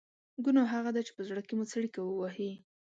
ګناه هغه ده چې په زړه کې مو څړیکه ووهي.